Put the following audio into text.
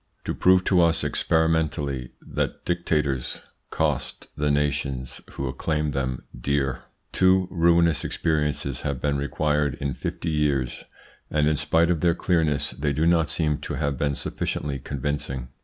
To prove to us experimentally that dictators cost the nations who acclaim them dear, two ruinous experiences have been required in fifty years, and in spite of their clearness they do not seem to have been sufficiently convincing.